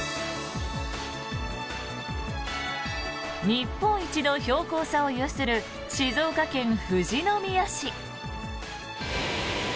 日本一の標高差を有する静岡県富士宮市。